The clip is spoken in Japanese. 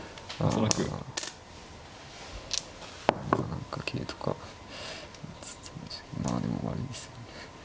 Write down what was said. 何か桂とかまあでも終わりですよね。